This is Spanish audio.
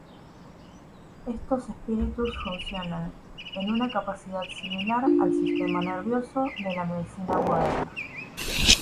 Estos espíritus funcionan en una capacidad similar al sistema nervioso de la medicina moderna.